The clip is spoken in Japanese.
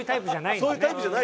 そういうタイプじゃない。